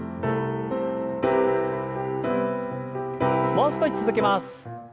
もう少し続けます。